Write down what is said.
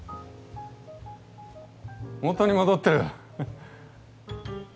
元に戻ってる！